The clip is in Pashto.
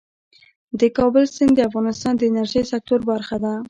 د کابل سیند د افغانستان د انرژۍ سکتور برخه ده.